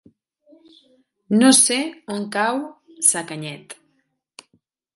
No sé on cau Sacanyet.